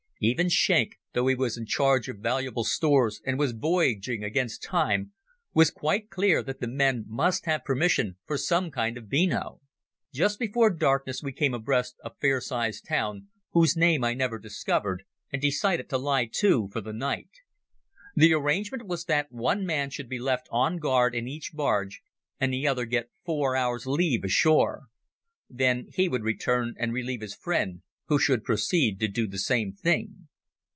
Even Schenk, though he was in charge of valuable stores and was voyaging against time, was quite clear that the men must have permission for some kind of beano. Just before darkness we came abreast a fair sized town, whose name I never discovered, and decided to lie to for the night. The arrangement was that one man should be left on guard in each barge, and the other get four hours' leave ashore. Then he would return and relieve his friend, who should proceed to do the same thing.